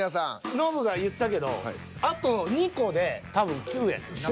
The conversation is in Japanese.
ノブが言ったけどあと２個で多分９やねんな。